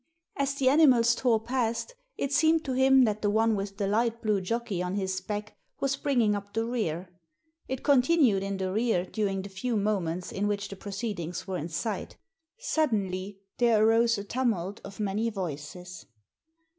As the animals tore past it seemed to him that the one with the light blue Digitized by VjOOQIC THE TIPSTER 135 jockey on his back was bringing up the rear. It continued in the rear during the few moments in which the proceedings were in sight Suddenly there arose a tumult of many voices.